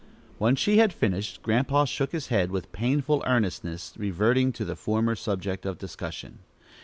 When she had finished, Grandpa shook his head with painful earnestness, reverting to the former subject of discussion.